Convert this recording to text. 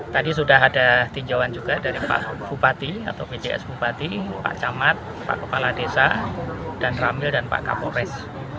tadi sudah ada tinjauan juga dari pak bupati atau bjs bupati pak camat pak kepala desa dan ramil dan pak kapolres